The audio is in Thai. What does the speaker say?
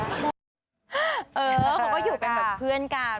เออเค้าไปอยู่กันเป็นเพื่อนกัน